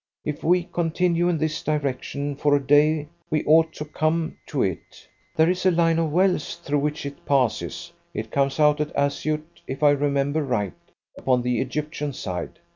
If we continue in this direction for a day we ought to come to it. There is a line of wells through which it passes. It comes out at Assiout, if I remember right, upon the Egyptian side.